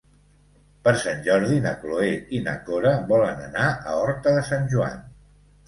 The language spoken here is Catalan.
Per Sant Jordi na Cloè i na Cora volen anar a Horta de Sant Joan.